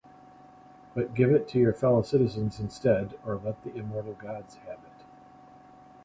But give it to your fellow-citizens instead, or let the immortal gods have it.